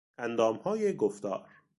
اندامهای گفتار